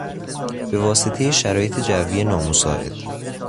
به واسطهی شرایط جوی نامساعد...